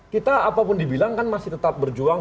kita apapun dibilang kan masih tetap berjuang